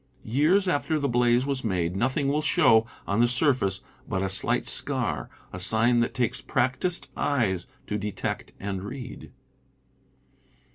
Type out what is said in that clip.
Years after the blaze was made, nothing will show on the surface but a slight scar, a sign that takes practised eyes to detect and read.